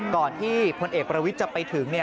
ก่อนที่พลเอกประวิทย์จะไปถึง